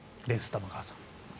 玉川さん。